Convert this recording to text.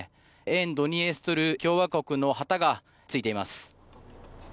沿ドニエストル共和国の旗がついています。